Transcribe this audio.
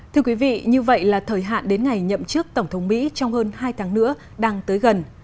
thưa quý vị như vậy là thời hạn đến ngày nhậm chức tổng thống mỹ trong hơn hai tháng nữa đang tới gần